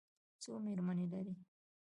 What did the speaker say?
څو مېرمنې لري؟